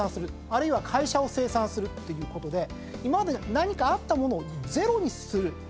あるいは会社を清算するっていうことで今まで何かあったものをゼロにする。